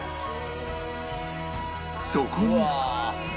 そこに